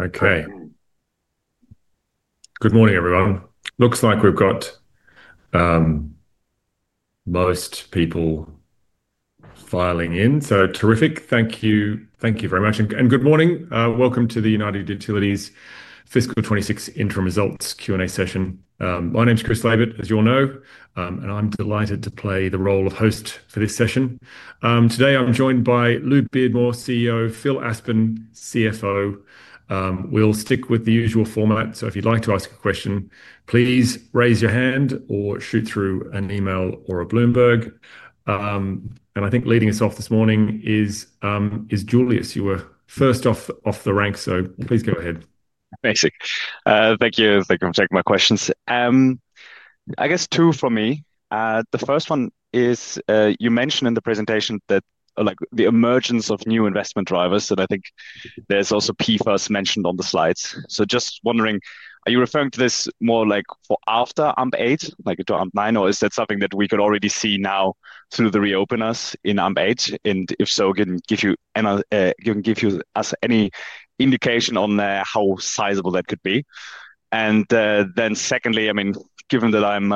Okay. Good morning, everyone. Looks like we've got most people filing in. Terrific. Thank you. Thank you very much. Good morning. Welcome to the United Utilities Fiscal 2026 Interim Results Q&A session. My name's Chris Laybutt, as you all know, and I'm delighted to play the role of host for this session. Today I'm joined by Louise Beardmore, CEO, and Phil Aspin, CFO. We'll stick with the usual format. If you'd like to ask a question, please raise your hand or shoot through an email or a Bloomberg. I think leading us off this morning is Julius. You were first off the rank, so please go ahead. Thank you. Thank you for taking my questions. I guess two for me. The first one is, you mentioned in the presentation that, like, the emergence of new investment drivers. And I think there's also PFAS mentioned on the slides. Just wondering, are you referring to this more like for after AMP8, like into AMP9, or is that something that we could already see now through the reopeners in AMP8? If so, can you give us any indication on how sizable that could be? Then secondly, I mean, given that I'm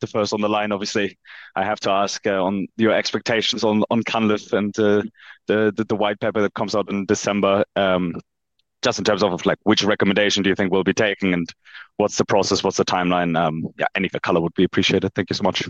the first on the line, obviously, I have to ask on your expectations on Cunliffe and the white paper that comes out in December, just in terms of, like, which recommendation do you think will be taken and what's the process, what's the timeline? Yeah, any of the color would be appreciated. Thank you so much.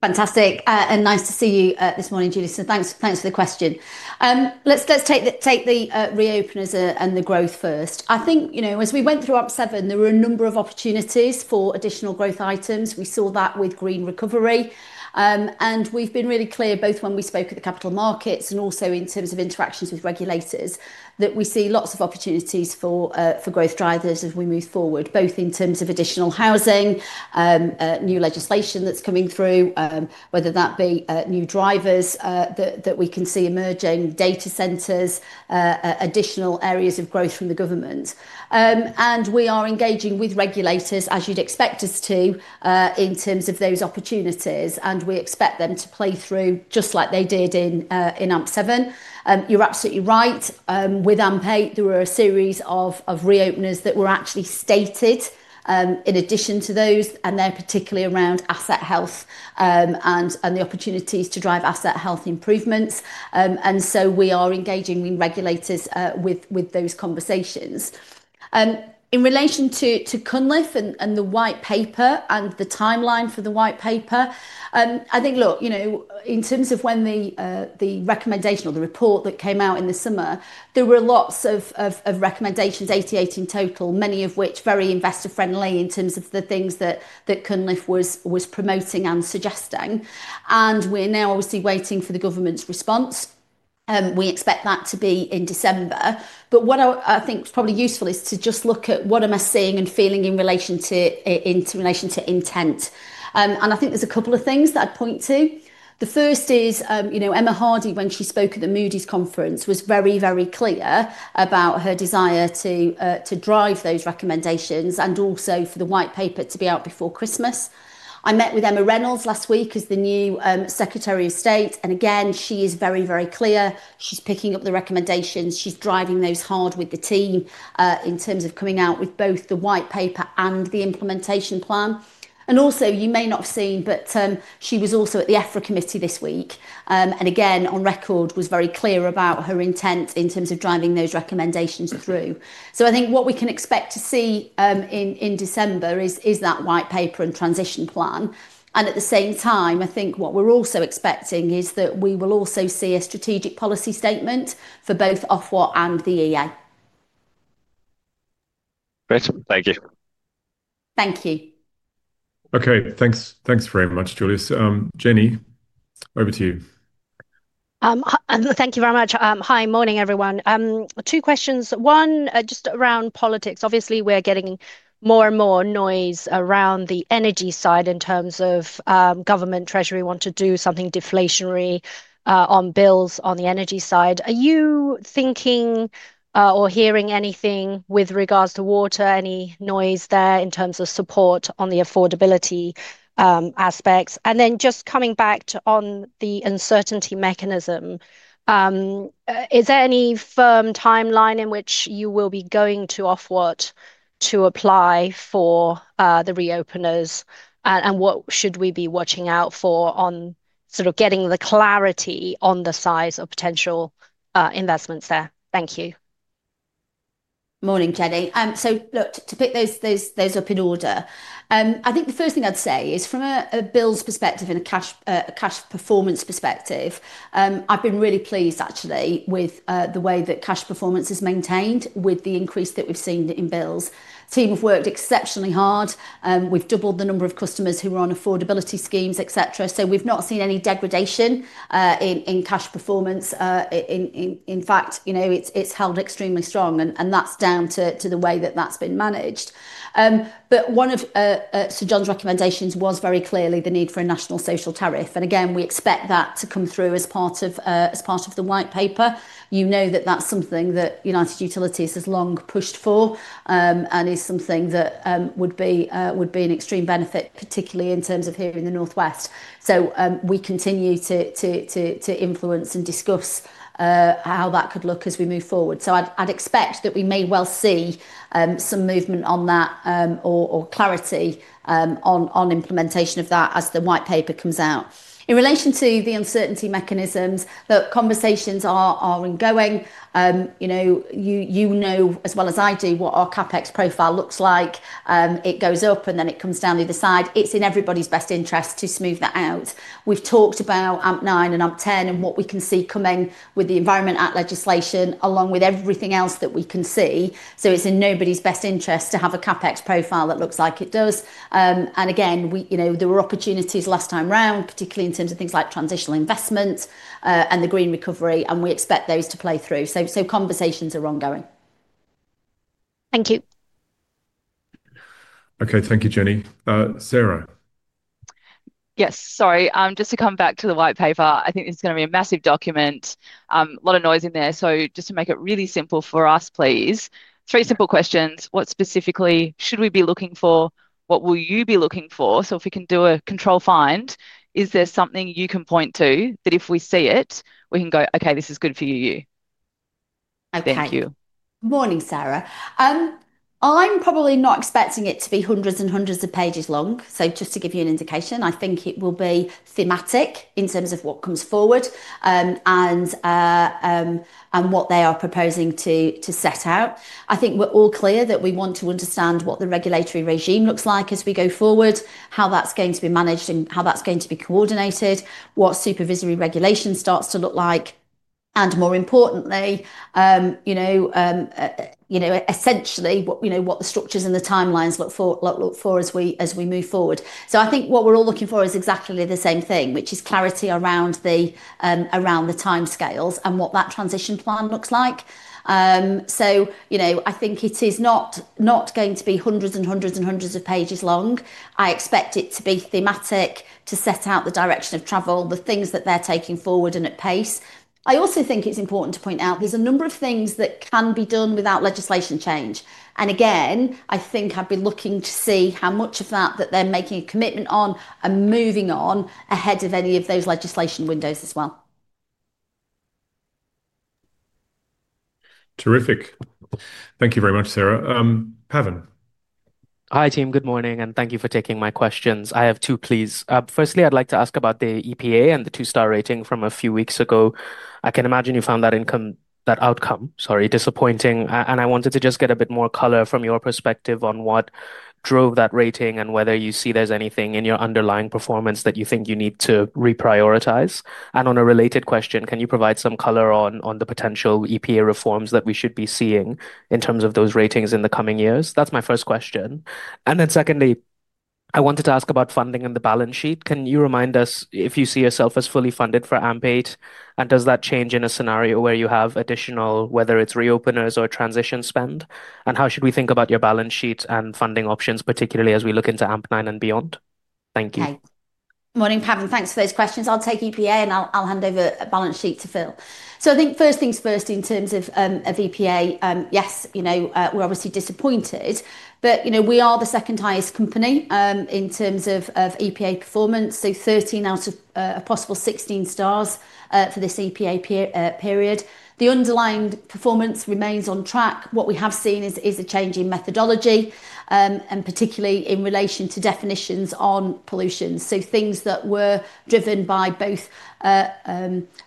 Fantastic. Nice to see you this morning, Julius. Thanks for the question. Let's take the reopeners and the growth first. I think, you know, as we went through AMP7, there were a number of opportunities for additional growth items. We saw that with green recovery. We have been really clear, both when we spoke at the capital markets and also in terms of interactions with regulators, that we see lots of opportunities for growth drivers as we move forward, both in terms of additional housing, new legislation that is coming through, whether that be new drivers that we can see emerging, data centers, additional areas of growth from the government. We are engaging with regulators, as you would expect us to, in terms of those opportunities, and we expect them to play through just like they did in AMP7. You're absolutely right. With AMP8, there were a series of reopeners that were actually stated. In addition to those, and they're particularly around asset health and the opportunities to drive asset health improvements. We are engaging with regulators with those conversations. In relation to Cunliffe and the white paper and the timeline for the white paper, I think, look, you know, in terms of when the recommendation or the report that came out in the summer, there were lots of recommendations, 88 in total, many of which very investor-friendly in terms of the things that Cunliffe was promoting and suggesting. We are now obviously waiting for the government's response. We expect that to be in December. What I think is probably useful is to just look at what am I seeing and feeling in relation to intent. I think there are a couple of things that I'd point to. The first is, you know, Emma Hardy, when she spoke at the Moody's conference, was very, very clear about her desire to drive those recommendations and also for the white paper to be out before Christmas. I met with Emma Reynolds last week as the new Secretary of State. Again, she is very, very clear. She's picking up the recommendations. She's driving those hard with the team, in terms of coming out with both the white paper and the implementation plan. Also, you may not have seen, but she was also at the DEFRA committee this week. and again, on record, was very clear about her intent in terms of driving those recommendations through. I think what we can expect to see in December is that white paper and transition plan. At the same time, I think what we're also expecting is that we will also see a strategic policy statement for both Ofwat and the Environment Agency. Great. Thank you. Thank you. Okay. Thanks. Thanks very much, Julius. Jenny, over to you. Thank you very much. Hi, morning everyone. Two questions. One, just around politics. Obviously, we are getting more and more noise around the energy side in terms of government treasury want to do something deflationary on bills on the energy side. Are you thinking, or hearing anything with regards to water, any noise there in terms of support on the affordability aspects? Then just coming back to on the uncertainty mechanism, is there any firm timeline in which you will be going to Ofwat to apply for the reopeners? What should we be watching out for on sort of getting the clarity on the size of potential investments there? Thank you. Morning, Jenny. To pick those up in order, I think the first thing I'd say is from a bill's perspective and a cash, a cash performance perspective, I've been really pleased actually with the way that cash performance is maintained with the increase that we've seen in bills. Team have worked exceptionally hard. We've doubled the number of customers who were on affordability schemes, et cetera. We have not seen any degradation in cash performance. In fact, you know, it's held extremely strong. That's down to the way that that's been managed. One of Sir John's recommendations was very clearly the need for a national social tariff. We expect that to come through as part of the white paper. You know that that's something that United Utilities has long pushed for, and is something that would be an extreme benefit, particularly in terms of here in the Northwest. We continue to influence and discuss how that could look as we move forward. I'd expect that we may well see some movement on that, or clarity on implementation of that as the white paper comes out. In relation to the uncertainty mechanisms, the conversations are ongoing. You know, you know as well as I do what our CapEx profile looks like. It goes up and then it comes down the other side. It's in everybody's best interest to smooth that out. We've talked about AMP9 and AMP10 and what we can see coming with the environment act legislation along with everything else that we can see. It's in nobody's best interest to have a CapEx profile that looks like it does. Again, we, you know, there were opportunities last time round, particularly in terms of things like transitional investment and the green recovery, and we expect those to play through. So conversations are ongoing. Thank you. Okay. Thank you, Jenny. Sarah? Yes. Sorry, just to come back to the white paper, I think this is gonna be a massive document. A lot of noise in there. Just to make it really simple for us, please, three simple questions. What specifically should we be looking for? What will you be looking for? If we can do a control find, is there something you can point to that if we see it, we can go, okay, this is good for you. Thank you. Good morning, Sarah. I'm probably not expecting it to be hundreds and hundreds of pages long. Just to give you an indication, I think it will be thematic in terms of what comes forward, and what they are proposing to set out. I think we're all clear that we want to understand what the regulatory regime looks like as we go forward, how that's going to be managed and how that's going to be coordinated, what supervisory regulation starts to look like, and more importantly, you know, essentially what the structures and the timelines look for as we move forward. I think what we're all looking for is exactly the same thing, which is clarity around the timescales and what that transition plan looks like. You know, I think it is not going to be hundreds and hundreds and hundreds of pages long. I expect it to be thematic to set out the direction of travel, the things that they are taking forward and at pace. I also think it is important to point out there are a number of things that can be done without legislation change. Again, I think I would be looking to see how much of that they are making a commitment on and moving on ahead of any of those legislation windows as well. Terrific. Thank you very much, Sarah. Pavan? Hi team. Good morning and thank you for taking my questions. I have two, please. Firstly, I'd like to ask about the EPA and the two-star rating from a few weeks ago. I can imagine you found that outcome, sorry, disappointing. I wanted to just get a bit more color from your perspective on what drove that rating and whether you see there's anything in your underlying performance that you think you need to reprioritize. On a related question, can you provide some color on the potential EPA reforms that we should be seeing in terms of those ratings in the coming years? That's my first question. Secondly, I wanted to ask about funding and the balance sheet. Can you remind us if you see yourself as fully funded for AMP8? Does that change in a scenario where you have additional, whether it is reopeners or transition spend? How should we think about your balance sheet and funding options, particularly as we look into AMP9 and beyond? Thank you. Hi. Morning, Pavan. Thanks for those questions. I'll take EPA and I'll hand over balance sheet to Phil. I think first things first in terms of EPA, yes, you know, we're obviously disappointed, but, you know, we are the second highest company in terms of EPA performance. Thirteen out of possible sixteen stars for this EPA period. The underlying performance remains on track. What we have seen is a change in methodology, and particularly in relation to definitions on pollution. Things that were driven by both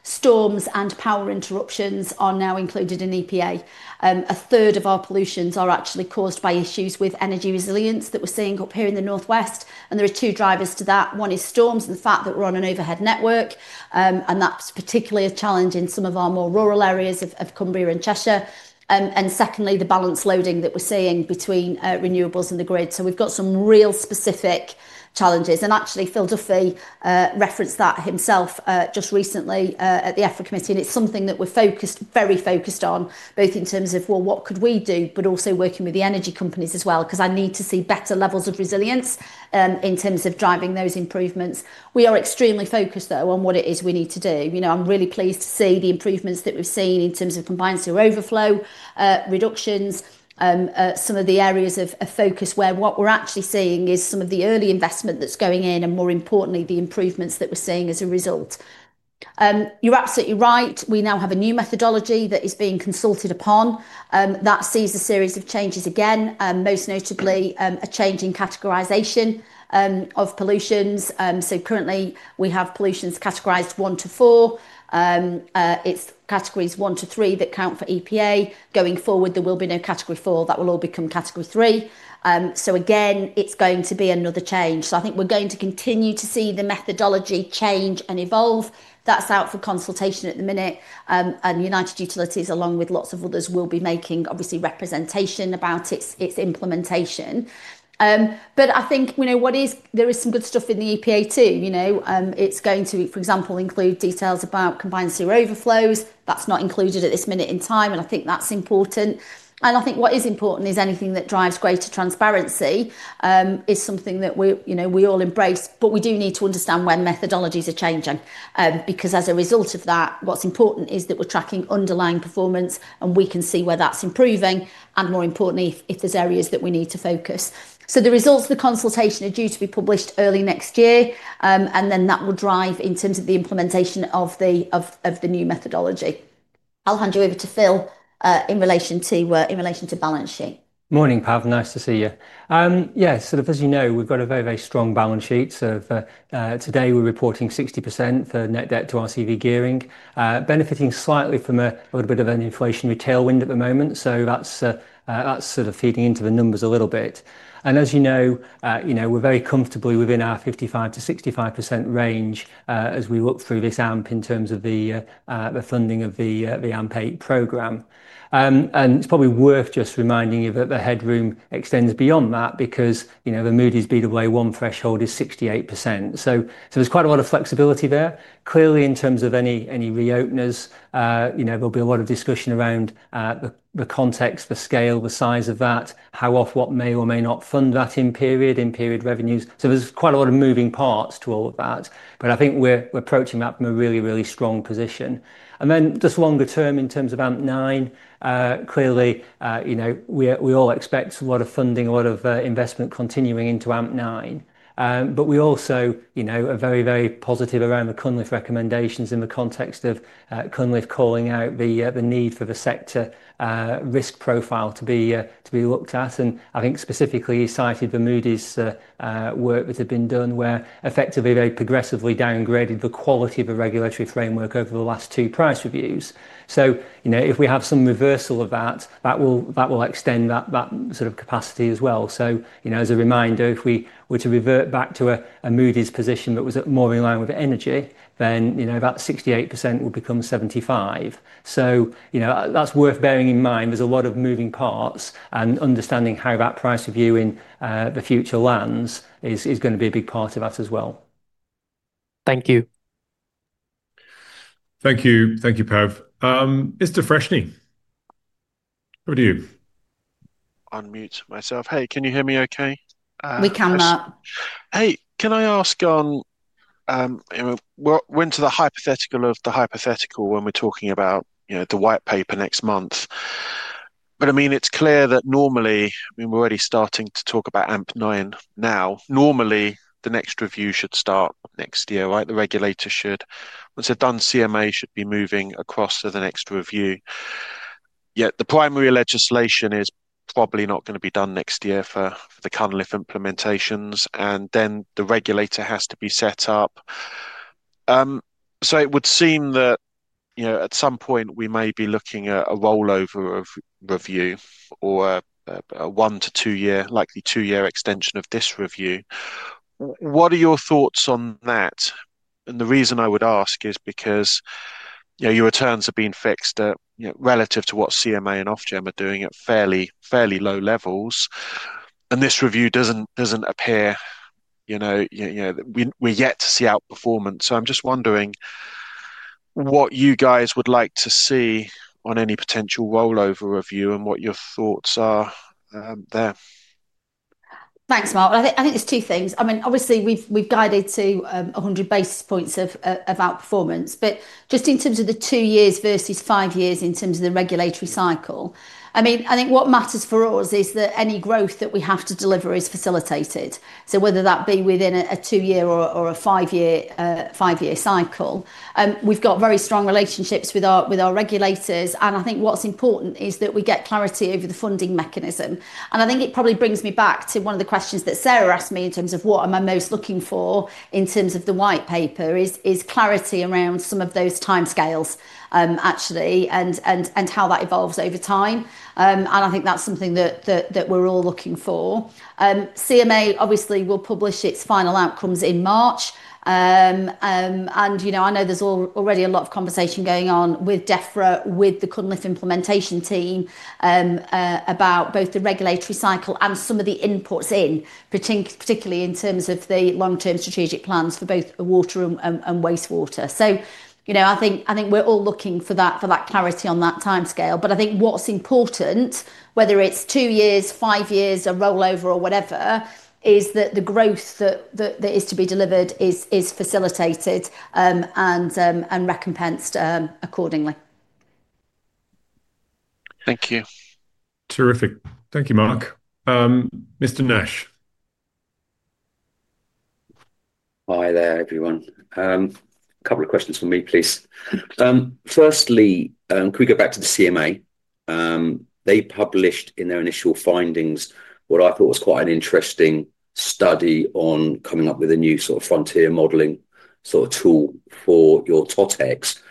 storms and power interruptions are now included in EPA. A third of our pollutions are actually caused by issues with energy resilience that we're seeing up here in the Northwest. There are two drivers to that. One is storms and the fact that we're on an overhead network, and that's particularly a challenge in some of our more rural areas of Cumbria and Cheshire. Secondly, the balance loading that we're seeing between renewables and the grid. We've got some real specific challenges. Actually, Phil Duffy referenced that himself just recently at the EFRA committee. It's something that we're focused, very focused on, both in terms of what could we do, but also working with the energy companies as well, 'cause I need to see better levels of resilience in terms of driving those improvements. We are extremely focused though on what it is we need to do. You know, I'm really pleased to see the improvements that we've seen in terms of compliance or overflow reductions, some of the areas of focus where what we're actually seeing is some of the early investment that's going in and, more importantly, the improvements that we're seeing as a result. You're absolutely right. We now have a new methodology that is being consulted upon, that sees a series of changes again, most notably, a change in categorization of pollutions. So currently we have pollutions categorized one to four. It's categories one to three that count for EPA. Going forward, there will be no category four. That will all become category three. So again, it's going to be another change. I think we're going to continue to see the methodology change and evolve. That's out for consultation at the minute. United Utilities, along with lots of others, will be making obviously representation about its, its implementation. I think, you know, what is, there is some good stuff in the EPA too, you know, it's going to, for example, include details about compliance through overflows. That's not included at this minute in time. I think that's important. I think what is important is anything that drives greater transparency, is something that we, you know, we all embrace, but we do need to understand when methodologies are changing. Because as a result of that, what's important is that we're tracking underlying performance and we can see where that's improving. More importantly, if there's areas that we need to focus. The results of the consultation are due to be published early next year. and that will drive in terms of the implementation of the, of the new methodology. I'll hand you over to Phil, in relation to balance sheet. Morning, Pavan. Nice to see you. Yeah, sort of, as you know, we've got a very, very strong balance sheet. Today we're reporting 60% for net debt to RCV gearing, benefiting slightly from a little bit of an inflationary tailwind at the moment. That's sort of feeding into the numbers a little bit. As you know, we're very comfortably within our 55%-65% range, as we look through this AMP in terms of the funding of the AMP8 program. It's probably worth just reminding you that the headroom extends beyond that because, you know, the Moody's Baa1 threshold is 68%. There's quite a lot of flexibility there. Clearly, in terms of any reopeners, there will be a lot of discussion around the context, the scale, the size of that, how often, what may or may not fund that in-period, in-period revenues. There are quite a lot of moving parts to all of that, but I think we are approaching that from a really, really strong position. Just longer term, in terms of AMP9, clearly, we all expect a lot of funding, a lot of investment continuing into AMP9. We also are very, very positive around the Cunliffe recommendations in the context of Cunliffe calling out the need for the sector risk profile to be looked at. I think specifically he cited the Moody's work that had been done where effectively they progressively downgraded the quality of the regulatory framework over the last two price reviews. You know, if we have some reversal of that, that will extend that sort of capacity as well. You know, as a reminder, if we were to revert back to a Moody's position that was more in line with energy, then that 68% would become 75%. You know, that's worth bearing in mind. There are a lot of moving parts and understanding how that price review in the future lands is going to be a big part of that as well. Thank you. Thank you. Thank you, Pavan. Mr. Freshney, over to you. Unmute myself. Hey, can you hear me okay? We can, Hey, can I ask on, you know, what went to the hypothetical of the hypothetical when we're talking about, you know, the white paper next month? I mean, it's clear that normally, I mean, we're already starting to talk about AMP9 now. Normally, the next review should start next year, right? The regulator should, once they're done, CMA should be moving across to the next review. Yet the primary legislation is probably not gonna be done next year for, for the Cunliffe implementations. And then the regulator has to be set up. It would seem that, you know, at some point we may be looking at a rollover of review or a one to two year, likely two year extension of this review. What are your thoughts on that? The reason I would ask is because, you know, your returns have been fixed at, you know, relative to what CMA and Ofgem are doing at fairly, fairly low levels. This review does not, does not appear, you know, you, you know, we are yet to see outperformance. I am just wondering what you guys would like to see on any potential rollover review and what your thoughts are there. Thanks, Mark. I think there's two things. I mean, obviously we've guided to 100 basis points of outperformance, but just in terms of the two years versus five years in terms of the regulatory cycle. I mean, I think what matters for us is that any growth that we have to deliver is facilitated. Whether that be within a two year or a five year cycle, we've got very strong relationships with our regulators. I think what's important is that we get clarity over the funding mechanism. I think it probably brings me back to one of the questions that Sarah asked me in terms of what am I most looking for in terms of the white paper is clarity around some of those timescales, actually, and how that evolves over time. I think that's something that we're all looking for. CMA obviously will publish its final outcomes in March. You know, I know there's already a lot of conversation going on with DEFRA, with the Cunliffe implementation team, about both the regulatory cycle and some of the inputs, particularly in terms of the long-term strategic plans for both water and wastewater. I think we're all looking for that clarity on that timescale. I think what's important, whether it's two years, five years, a rollover or whatever, is that the growth that is to be delivered is facilitated and recompensed accordingly. Thank you. Terrific. Thank you, Mark. Mr. Nash. Hi there, everyone. A couple of questions for me, please. Firstly, can we go back to the CMA? They published in their initial findings what I thought was quite an interesting study on coming up with a new sort of frontier modeling sort of tool for your totex.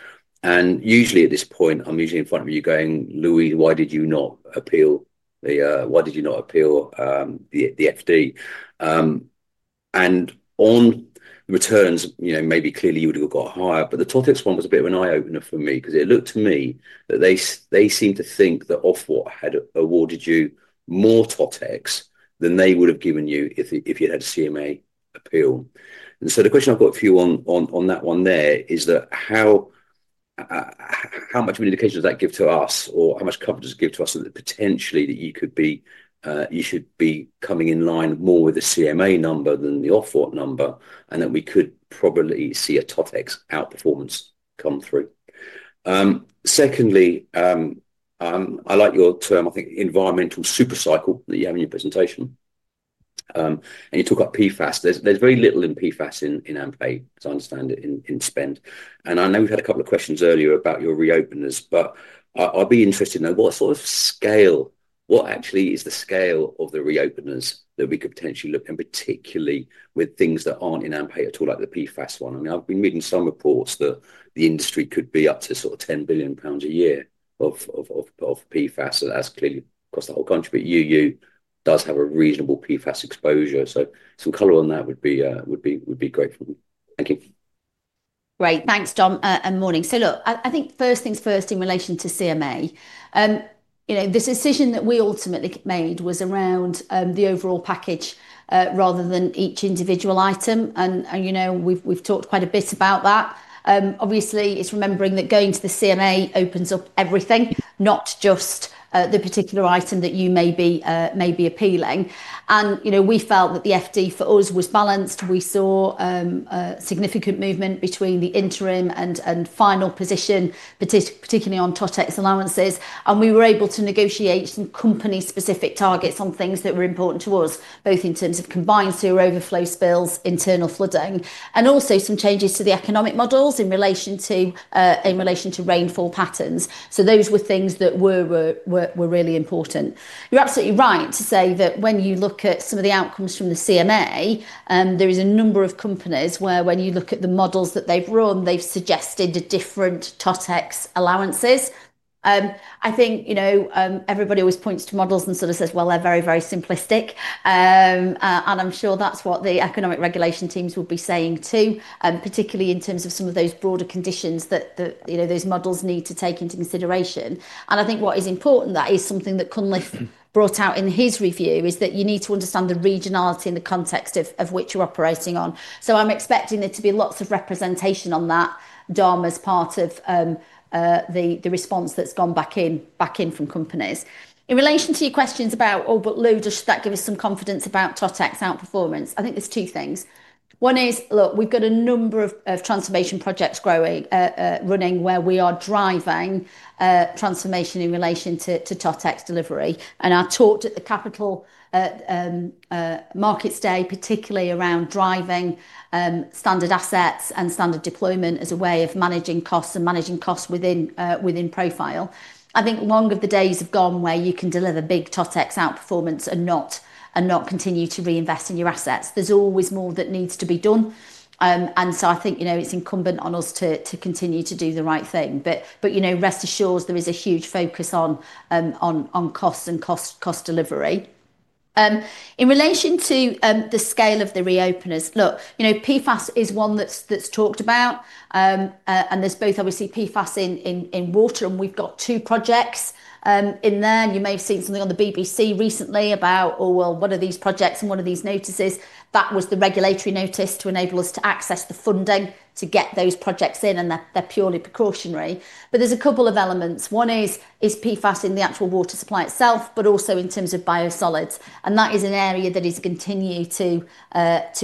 Usually at this point, I'm usually in front of you going, Louise, why did you not appeal the, why did you not appeal, the, the FD? On the returns, you know, maybe clearly you would've got higher, but the totex one was a bit of an eye opener for me 'cause it looked to me that they seem to think that Ofwat had awarded you more totex than they would've given you if you'd had a CMA appeal. The question I have for you on that one is how much of an indication does that give to us or how much comfort does it give to us that potentially you could be, you should be coming in line more with the CMA number than the Ofwat number, and that we could probably see a totex outperformance come through. Secondly, I like your term, I think, environmental supercycle that you have in your presentation. You talk about PFAS. There is very little in PFAS in AMP8, as I understand it, in spend. I know we've had a couple of questions earlier about your reopeners, but I'd be interested to know what sort of scale, what actually is the scale of the reopeners that we could potentially look in, particularly with things that aren't in AMP at all, like the PFAS one. I mean, I've been reading some reports that the industry could be up to 10 billion pounds a year of PFAS, as clearly across the whole country. But UU does have a reasonable PFAS exposure. Some color on that would be great for me. Thank you. Great. Thanks, Dom. And morning. I think first things first in relation to CMA. You know, this decision that we ultimately made was around the overall package, rather than each individual item. You know, we have talked quite a bit about that. Obviously, it is remembering that going to the CMA opens up everything, not just the particular item that you may be appealing. You know, we felt that the FD for us was balanced. We saw significant movement between the interim and final position, particularly on totex allowances. We were able to negotiate some company-specific targets on things that were important to us, both in terms of combined sewer overflow spills, internal flooding, and also some changes to the economic models in relation to rainfall patterns. Those were things that were really important. You're absolutely right to say that when you look at some of the outcomes from the CMA, there is a number of companies where when you look at the models that they've run, they've suggested different totex allowances. I think, you know, everybody always points to models and sort of says, well, they're very, very simplistic. I'm sure that's what the economic regulation teams will be saying too, particularly in terms of some of those broader conditions that, you know, those models need to take into consideration. I think what is important, that is something that Cunliffe brought out in his review, is that you need to understand the regionality in the context of which you're operating on. I'm expecting there to be lots of representation on that, Dom, as part of the response that's gone back in from companies. In relation to your questions about, oh, but Lou, does that give us some confidence about totex outperformance? I think there are two things. One is, look, we've got a number of transformation projects running where we are driving transformation in relation to totex delivery. I talked at the Capital Markets Day, particularly around driving standard assets and standard deployment as a way of managing costs and managing costs within profile. I think long gone are the days where you can deliver big totex outperformance and not continue to reinvest in your assets. There is always more that needs to be done, and so I think, you know, it's incumbent on us to continue to do the right thing. But, you know, rest assured there is a huge focus on costs and cost delivery. In relation to the scale of the reopeners, look, you know, PFAS is one that's talked about. And there's both obviously PFAS in water, and we've got two projects in there. You may have seen something on the BBC recently about, oh, well, one of these projects and one of these notices, that was the regulatory notice to enable us to access the funding to get those projects in, and they're purely precautionary. There's a couple of elements. One is PFAS in the actual water supply itself, but also in terms of biosolids. That is an area that is continuing to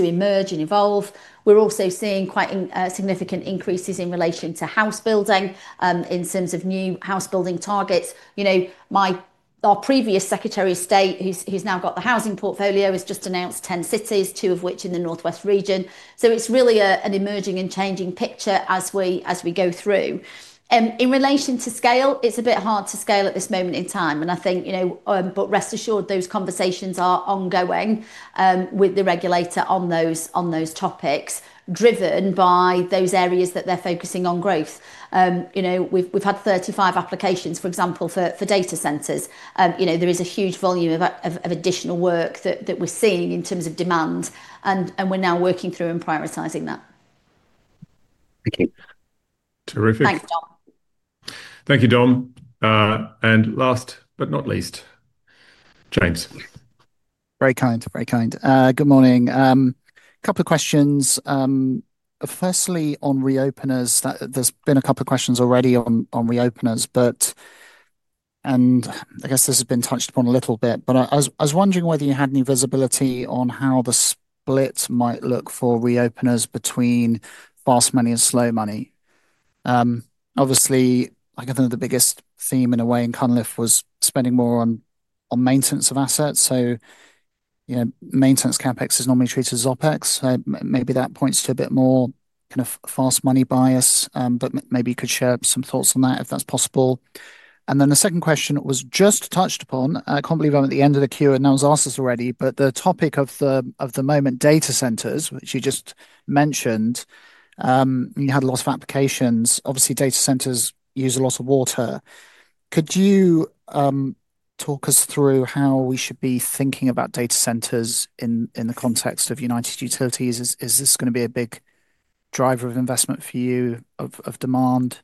emerge and evolve. We're also seeing quite significant increases in relation to house building, in terms of new house building targets. You know, my, our previous Secretary of State, who's now got the housing portfolio, has just announced 10 cities, two of which in the Northwest region. It is really an emerging and changing picture as we go through. In relation to scale, it is a bit hard to scale at this moment in time. I think, you know, but rest assured those conversations are ongoing with the regulator on those topics driven by those areas that they are focusing on growth. You know, we have had 35 applications, for example, for data centers. You know, there is a huge volume of additional work that we are seeing in terms of demand, and we are now working through and prioritizing that. Thank you. Terrific. Thanks, Dom. Thank you, Dom. And last but not least, James? Very kind, very kind. Good morning. A couple of questions. Firstly on reopeners, there's been a couple of questions already on reopeners, but I guess this has been touched upon a little bit. I was wondering whether you had any visibility on how the split might look for reopeners between fast money and slow money. Obviously I guess one of the biggest themes in a way in Cunliffe was spending more on maintenance of assets. You know, maintenance CapEx is normally treated as OpEx, so maybe that points to a bit more kind of fast money bias. Maybe you could share some thoughts on that if that's possible. The second question was just touched upon, I can't believe I'm at the end of the queue and no one's asked us already, but the topic of the moment, data centers, which you just mentioned, you had lots of applications. Obviously data centers use a lot of water. Could you talk us through how we should be thinking about data centers in the context of United Utilities? Is this gonna be a big driver of investment for you, of demand?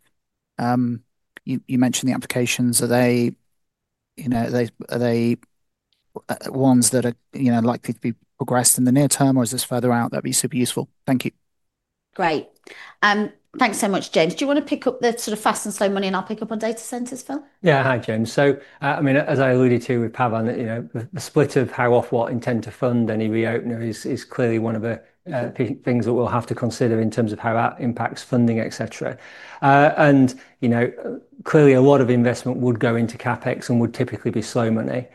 You mentioned the applications. Are they, you know, are they ones that are likely to be progressed in the near term or is this further out? That'd be super useful. Thank you. Great. Thanks so much, James. Do you wanna pick up the sort of fast and slow money and I'll pick up on data centers, Phil? Yeah. Hi, James. I mean, as I alluded to with Pavan, you know, the split of how Ofwat intend to fund any reopener is clearly one of the things that we'll have to consider in terms of how that impacts funding, et cetera. You know, clearly a lot of investment would go into CapEx and would typically be slow money.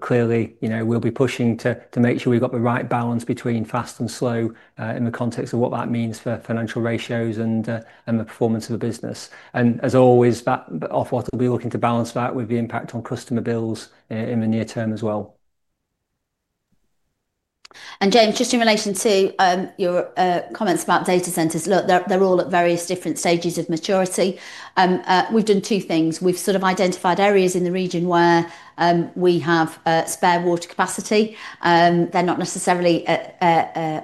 Clearly, you know, we'll be pushing to make sure we've got the right balance between fast and slow, in the context of what that means for financial ratios and the performance of the business. As always, Ofwat will be looking to balance that with the impact on customer bills in the near term as well. James, just in relation to your comments about data centers, look, they're all at various different stages of maturity. We've done two things. We've identified areas in the region where we have spare water capacity. They're not necessarily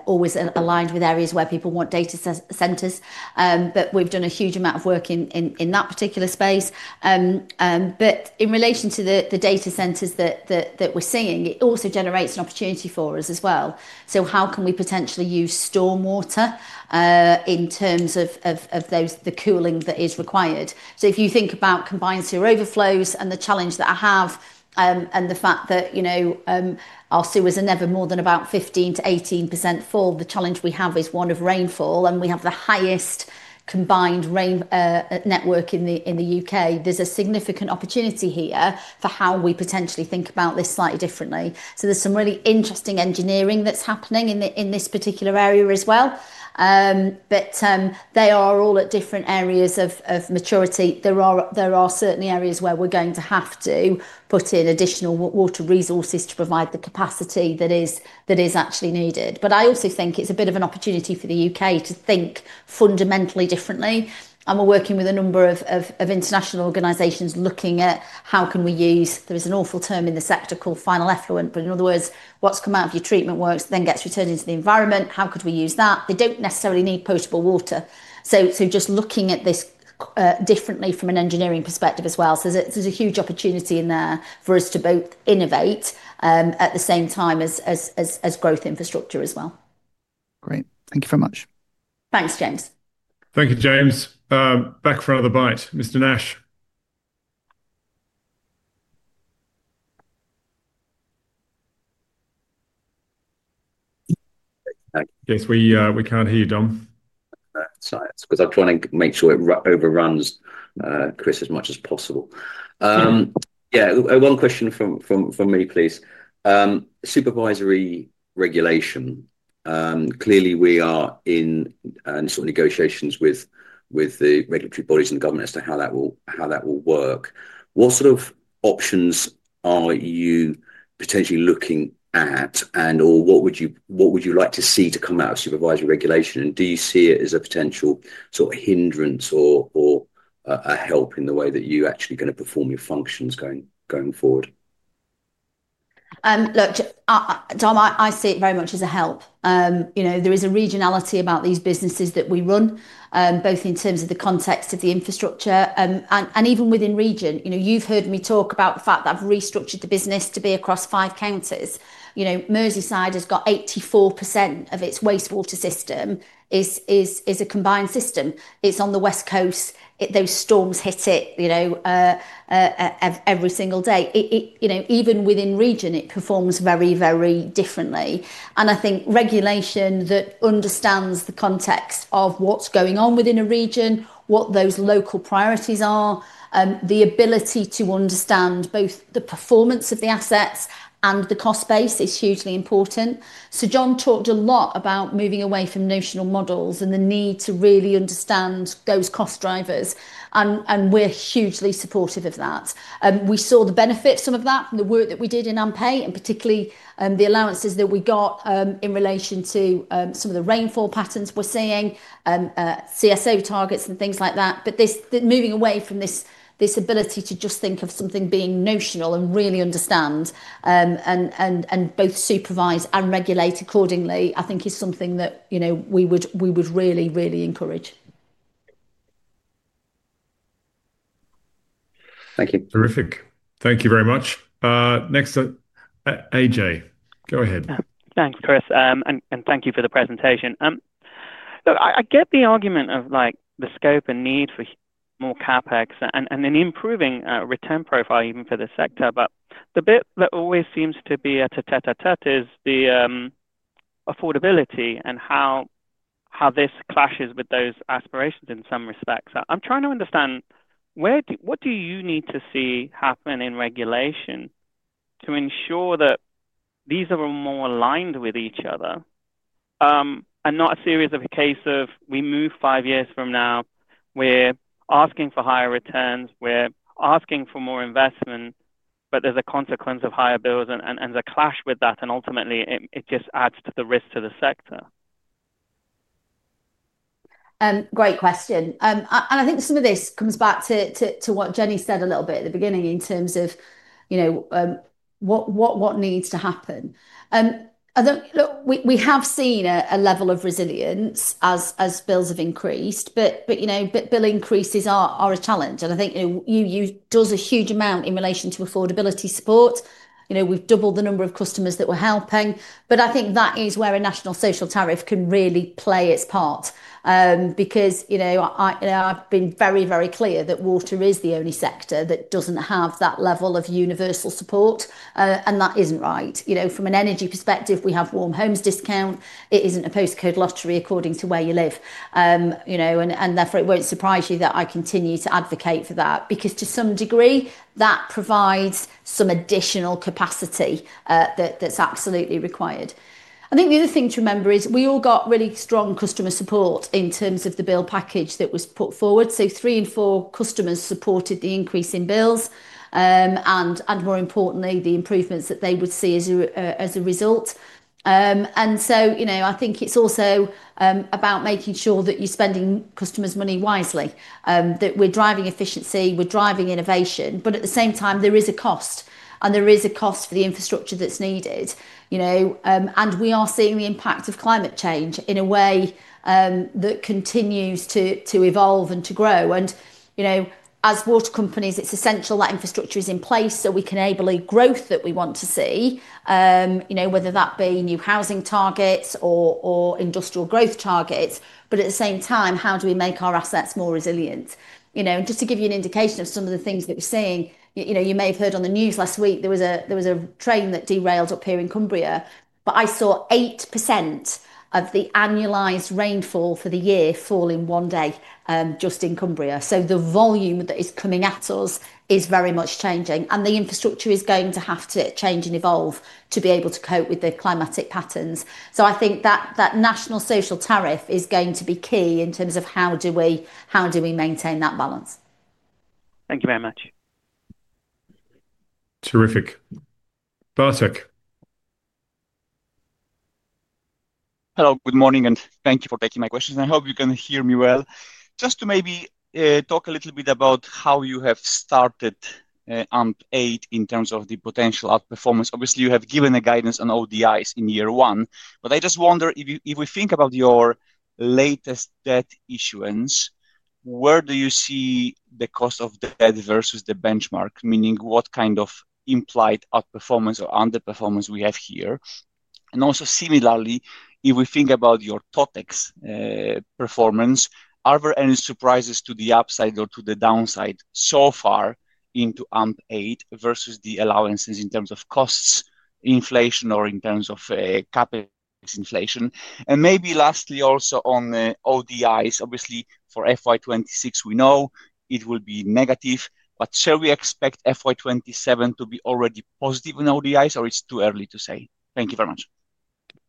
always aligned with areas where people want data centers, but we've done a huge amount of work in that particular space. In relation to the data centers that we're seeing, it also generates an opportunity for us as well. How can we potentially use stormwater in terms of the cooling that is required? If you think about combined sewer overflows and the challenge that I have, and the fact that, you know, our sewers are never more than about 15%-18% full, the challenge we have is one of rainfall and we have the highest combined rain network in the U.K. There is a significant opportunity here for how we potentially think about this slightly differently. There is some really interesting engineering that is happening in this particular area as well, but they are all at different areas of maturity. There are certainly areas where we are going to have to put in additional water resources to provide the capacity that is actually needed. I also think it is a bit of an opportunity for the U.K. to think fundamentally differently. We are working with a number of international organizations looking at how we can use, there is an awful term in the sector called final effluent, but in other words, what has come out of your treatment works then gets returned into the environment. How could we use that? They do not necessarily need potable water. Just looking at this differently from an engineering perspective as well. There is a huge opportunity in there for us to both innovate at the same time as growth infrastructure as well. Great. Thank you very much. Thanks, James. Thank you, James. Back for another bite. Mr. Nash. Yes, we, we can't hear you, Dom. Sorry, it's 'cause I'm trying to make sure it overruns, Chris, as much as possible. Yeah, one question from me, please. Supervisory regulation, clearly we are in sort of negotiations with the regulatory bodies and the government as to how that will work. What sort of options are you potentially looking at, or what would you like to see to come out of supervisory regulation? Do you see it as a potential sort of hindrance or a help in the way that you actually are going to perform your functions going forward? Look, I, I, Dom, I see it very much as a help. You know, there is a regionality about these businesses that we run, both in terms of the context of the infrastructure, and even within region. You know, you've heard me talk about the fact that I've restructured the business to be across five counties. You know, Merseyside has got 84% of its wastewater system is a combined system. It's on the west coast. Those storms hit it every single day. You know, even within region, it performs very, very differently. I think regulation that understands the context of what's going on within a region, what those local priorities are, the ability to understand both the performance of the assets and the cost base is hugely important. Sir John talked a lot about moving away from notional models and the need to really understand those cost drivers. And we're hugely supportive of that. We saw the benefits of some of that from the work that we did in AMP8 and particularly, the allowances that we got in relation to some of the rainfall patterns we're seeing, CSO targets and things like that. The moving away from this ability to just think of something being notional and really understand, and both supervise and regulate accordingly, I think is something that, you know, we would really, really encourage. Thank you. Terrific. Thank you very much. Next up, Ajay, go ahead. Thanks, Chris, and thank you for the presentation. Look, I get the argument of the scope and need for more CapEx and then improving return profile even for the sector, but the bit that always seems to be a sticking point is the affordability and how this clashes with those aspirations in some respects. I'm trying to understand, what do you need to see happen in regulation to ensure that these are more aligned with each other, and not a case of we move five years from now, we're asking for higher returns, we're asking for more investment, but there's a consequence of higher bills and the clash with that. Ultimately, it just adds to the risk to the sector. Great question. I think some of this comes back to what Jenny said a little bit at the beginning in terms of, you know, what needs to happen. I don't, look, we have seen a level of resilience as bills have increased, but, you know, bill increases are a challenge. I think, you know, UU does a huge amount in relation to affordability support. You know, we've doubled the number of customers that we're helping, but I think that is where a national social tariff can really play its part. Because, you know, I, you know, I've been very, very clear that water is the only sector that doesn't have that level of universal support, and that isn't right. You know, from an energy perspective, we have warm homes discount. It isn't a postcode lottery according to where you live, you know, and therefore it won't surprise you that I continue to advocate for that because to some degree that provides some additional capacity, that's absolutely required. I think the other thing to remember is we all got really strong customer support in terms of the bill package that was put forward. Three in four customers supported the increase in bills, and more importantly, the improvements that they would see as a result. So, you know, I think it's also about making sure that you're spending customers' money wisely, that we're driving efficiency, we're driving innovation, but at the same time there is a cost and there is a cost for the infrastructure that's needed, you know, and we are seeing the impact of climate change in a way that continues to evolve and to grow. You know, as water companies, it's essential that infrastructure is in place so we can enable the growth that we want to see, you know, whether that be new housing targets or industrial growth targets. At the same time, how do we make our assets more resilient? You know, and just to give you an indication of some of the things that we're seeing, you know, you may have heard on the news last week, there was a train that derailed up here in Cumbria, but I saw 8% of the annualized rainfall for the year fall in one day, just in Cumbria. The volume that is coming at us is very much changing and the infrastructure is going to have to change and evolve to be able to cope with the climatic patterns. I think that national social tariff is going to be key in terms of how do we, how do we maintain that balance. Thank you very much. Terrific. Bertik? Hello, good morning and thank you for taking my questions. I hope you can hear me well. Just to maybe talk a little bit about how you have started AMP8 in terms of the potential outperformance. Obviously you have given a guidance on ODIs in year one, but I just wonder if you, if we think about your latest debt issuance, where do you see the cost of debt versus the benchmark, meaning what kind of implied outperformance or underperformance we have here? Also, similarly, if we think about your totex performance, are there any surprises to the upside or to the downside so far into AMP8 versus the allowances in terms of costs, inflation, or in terms of CapEx inflation? Maybe lastly also on ODIs, obviously for FY 2026, we know it will be negative, but shall we expect FY 2027 to be already positive in ODIs or is it too early to say? Thank you very much.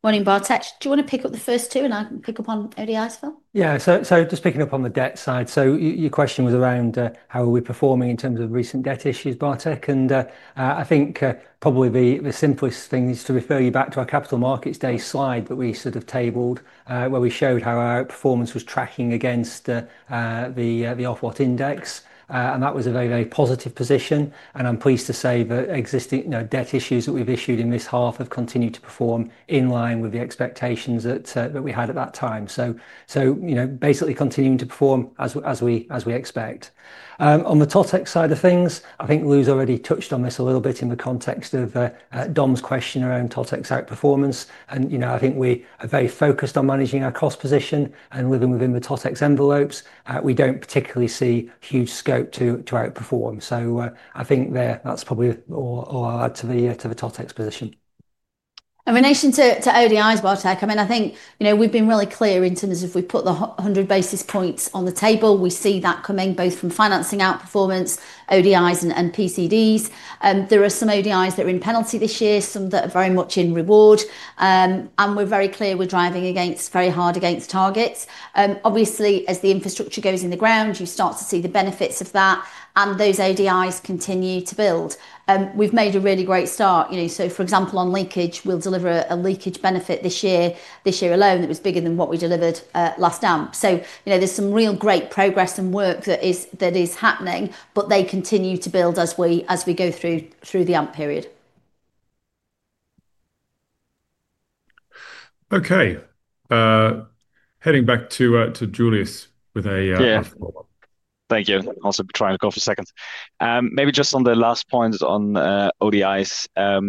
Morning, Bertik. Do you wanna pick up the first two and I can pick up on ODIs, Phil? Yeah. So just picking up on the debt side. Your question was around, how are we performing in terms of recent debt issues, Bertik? I think probably the simplest thing is to refer you back to our capital markets day slide that we sort of tabled, where we showed how our performance was tracking against the Ofwat index. That was a very, very positive position. I am pleased to say that existing, you know, debt issues that we have issued in this half have continued to perform in line with the expectations that we had at that time. You know, basically continuing to perform as we expect. On the totex side of things, I think Lou has already touched on this a little bit in the context of Dom's question around totex outperformance. You know, I think we are very focused on managing our cost position and living within the totex envelopes. We do not particularly see huge scope to outperform. I think that probably all adds to the totex position. In relation to, to ODIs, BTC, I mean, I think, you know, we've been really clear in terms of we've put the hundred basis points on the table. We see that coming both from financing outperformance, ODIs and, and PCDs. There are some ODIs that are in penalty this year, some that are very much in reward. We are very clear we are driving very hard against targets. Obviously as the infrastructure goes in the ground, you start to see the benefits of that and those ODIs continue to build. We've made a really great start, you know, so for example, on leakage, we'll deliver a leakage benefit this year, this year alone, that is bigger than what we delivered last AMP. You know, there's some real great progress and work that is happening, but they continue to build as we go through the AMP period. Okay. Heading back to Julius with a question. Yeah. Thank you. I'll try and go for a second. Maybe just on the last point on ODIs. I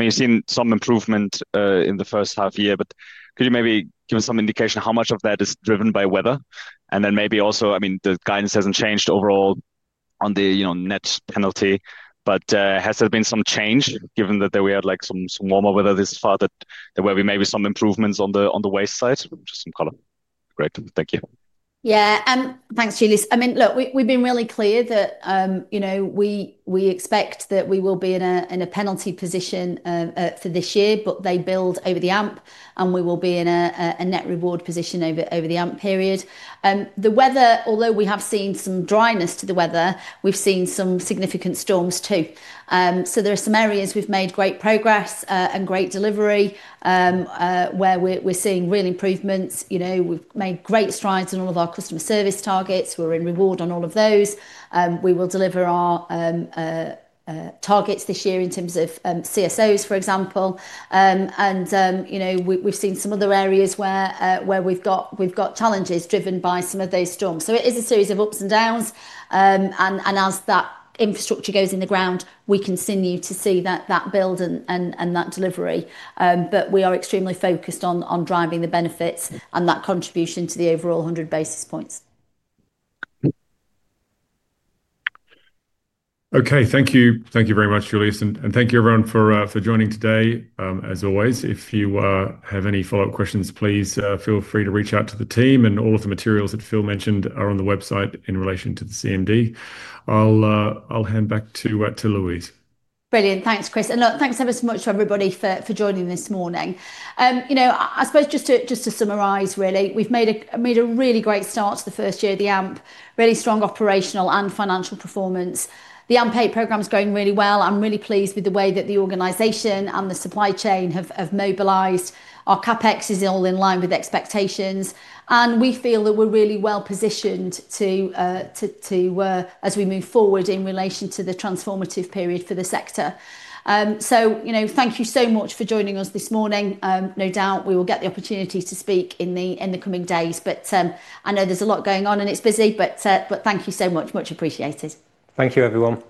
mean, you've seen some improvement in the first half year, but could you maybe give us some indication how much of that is driven by weather? And then maybe also, I mean, the guidance hasn't changed overall on the, you know, net penalty, but has there been some change given that we had like some warmer weather this far, that there were maybe some improvements on the waste side? Just some color. Great. Thank you. Yeah. Thanks, Julius. I mean, look, we have been really clear that, you know, we expect that we will be in a penalty position for this year, but they build over the AMP and we will be in a net reward position over the AMP period. The weather, although we have seen some dryness to the weather, we have seen some significant storms too. There are some areas we have made great progress, and great delivery, where we are seeing real improvements. You know, we have made great strides in all of our customer service targets. We are in reward on all of those. We will deliver our targets this year in terms of CSOs, for example. You know, we have seen some other areas where we have got challenges driven by some of those storms. It is a series of ups and downs, and as that infrastructure goes in the ground, we continue to see that build and that delivery. We are extremely focused on driving the benefits and that contribution to the overall 100 basis points. Okay. Thank you. Thank you very much, Julius. Thank you everyone for joining today. As always, if you have any follow-up questions, please feel free to reach out to the team. All of the materials that Phil mentioned are on the website in relation to the CMD. I'll hand back to Louise. Brilliant. Thanks, Chris. And look, thanks ever so much to everybody for joining this morning. You know, I suppose just to summarize, really, we've made a really great start to the first year of the AMP, really strong operational and financial performance. The AMP8 program's going really well. I'm really pleased with the way that the organization and the supply chain have mobilized. Our CapEx is all in line with expectations, and we feel that we're really well positioned as we move forward in relation to the transformative period for the sector. You know, thank you so much for joining us this morning. No doubt we will get the opportunity to speak in the coming days. I know there's a lot going on and it's busy, but thank you so much. Much appreciated. Thank you everyone.